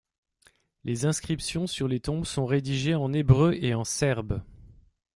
Les inscriptions sur les tombes sont rédigées en hébreu et en serbe.